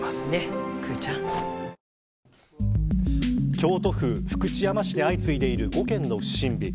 京都府福知山市で相次いでいる５件の不審火。